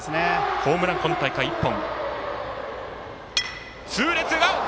ホームラン今大会１本。